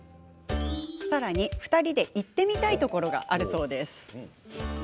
さらに、２人で行ってみたいところがあるそうです。